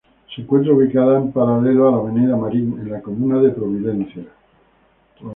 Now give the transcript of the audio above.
Se encuentra ubicada en paralela a la Avenida Marín, en la comuna de Providencia.